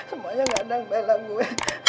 semuanya ngandang belak gue